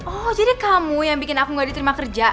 oh jadi kamu yang bikin aku gak diterima kerja